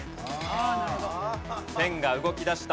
ペンが動きだした。